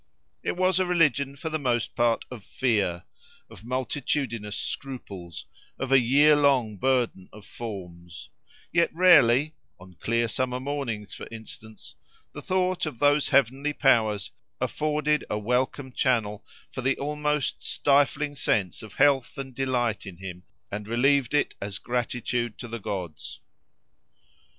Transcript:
It was a religion for the most part of fear, of multitudinous scruples, of a year long burden of forms; yet rarely (on clear summer mornings, for instance) the thought of those heavenly powers afforded a welcome channel for the almost stifling sense of health and delight in him, and relieved it as gratitude to the gods.